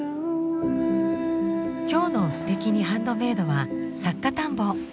今日の「すてきにハンドメイド」は作家探訪。